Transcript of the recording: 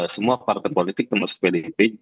semua partner politik termasuk pdp